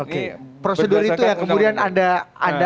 oke prosedur itu yang kemudian anda